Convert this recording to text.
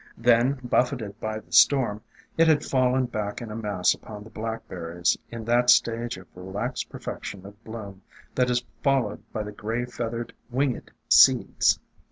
Then, buffeted by the storm, it had fallen back in a mass upon the Blackberries in that stage of relaxed perfection of bloom that is followed by the gray feathered winged seeds.